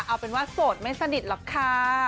เอาเป็นว่าโสดไม่สนิทหรอกค่ะ